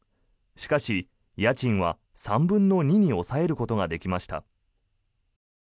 しかし、家賃は３分の２に抑えることができました。